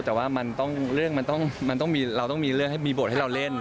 แต่ว่าเราต้องมีเรื่องมีโบสถ์ให้เราเล่น